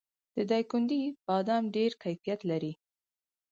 د دایکنډي بادام ډیر کیفیت لري.